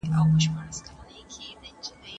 دا هغه زر کاله دي چي هيڅ پرمختګ په کي نه و.